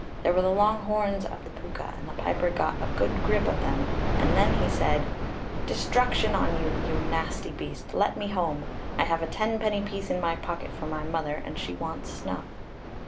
There were long horns on the Púca, and the piper got a good grip of them, and then he said "Destruction on you, you nasty beast, let me home. I have a ten penny piece in my pocket for my mother, and she wants snuff."